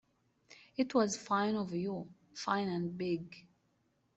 It was fine of you — fine and big.